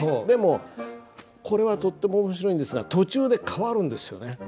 でもこれはとっても面白いんですが途中で変わるんですよね。